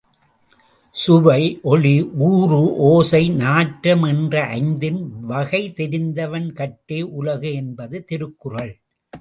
சுவைஒளி ஊறுஓசை நாற்றம்என்று ஐந்தின் வகைதெரிவான் கட்டே உலகு என்பது திருக்குறள்.